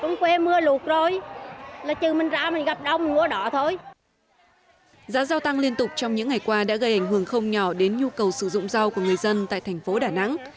giá giao tăng liên tục trong những ngày qua đã gây ảnh hưởng không nhỏ đến nhu cầu sử dụng rau của người dân tại thành phố đà nẵng